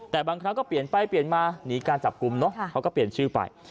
แต่บางครั้งก็เปลี่ยนไปเปลี่ยนมาหนีการจับกลุ่มเนอะเขาก็เปลี่ยนชื่อไป